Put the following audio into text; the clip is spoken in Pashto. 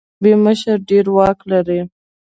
د ایران مذهبي مشر ډیر واک لري.